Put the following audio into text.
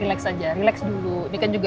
relax saja relax dulu ini kan juga